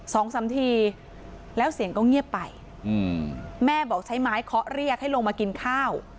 สองสามทีแล้วเสียงก็เงียบไปอืมแม่บอกใช้ไม้เคาะเรียกให้ลงมากินข้าว